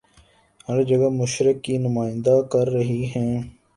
ہر جگہ مشرق کی نمائندہ کرہی ہیں